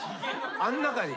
あん中に。